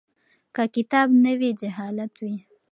که کتاب نه وي جهالت وي.